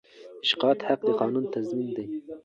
د شکایت حق د قانون تضمین دی.